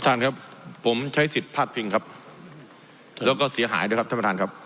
ท่านครับผมใช้สิทธิ์พลาดพิงครับแล้วก็เสียหายด้วยครับท่านประธานครับ